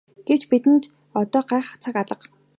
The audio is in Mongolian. Гэвч бидэнд одоо гайхах цаг алга.